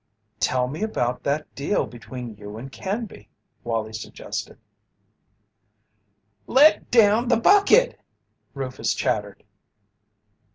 "Tell me about that deal between you and Canby," Wallie suggested. "Let down the bucket!" Rufus chattered.